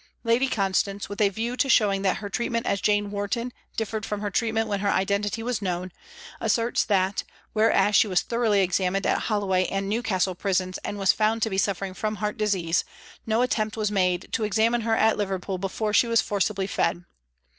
Lady Constance, with a view to showing that her treatment as ' Jane Warton ' differed from her treatment when her identity was known, asserts that, whereas she was thoroughly examined at Holloway and Newcastle Prisons and was found to be suffering from heart disease, no attempt was made to examine her at Liverpool before she was forcibly fed.